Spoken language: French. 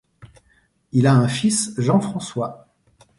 Il a un fils Jean-François.